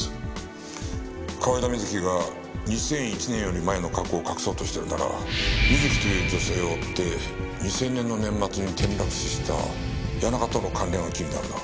河井田瑞希が２００１年より前の過去を隠そうとしているならミズキという女性を追って２０００年の年末に転落死した谷中との関連が気になるな。